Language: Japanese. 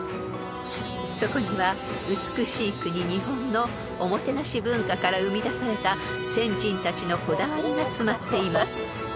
［そこには美しい国日本のおもてなし文化から生み出された先人たちのこだわりが詰まっています］